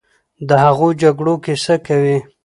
د هغو جګړو کیسه کوي،